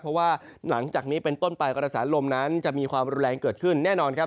เพราะว่าหลังจากนี้เป็นต้นไปกระแสลมนั้นจะมีความรุนแรงเกิดขึ้นแน่นอนครับ